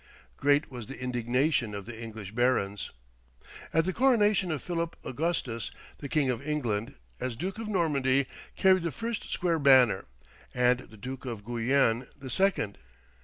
Great was the indignation of the English barons. At the coronation of Philip Augustus, the King of England, as Duke of Normandy, carried the first square banner, and the Duke of Guyenne the second.